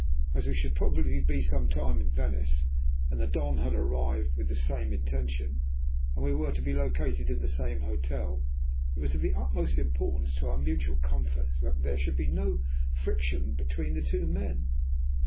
As we should probably be some time in Venice, and the Don had arrived with the same intention, and we were to be located in the same hotel, it was of the utmost importance to our mutual comforts that there should be no friction between the two men.